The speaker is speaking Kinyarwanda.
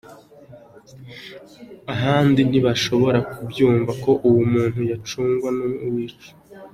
Ahandi ntibashobora kubyumva ko uwo muntu yacungwa n’uwiciwe.